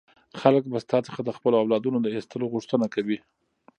خلک به ستا څخه د خپلو اولادونو د ایستلو غوښتنه کوي.